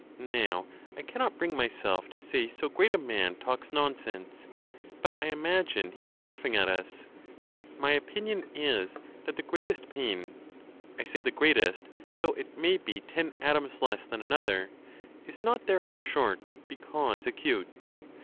Now, I cannot bring myself to say so great a man talks nonsense; but I imagine he is laughing at us. My opin ion is that the greatest pain (I say the greatest, though it may be ten atoms less than another) is not therefore short, because acute.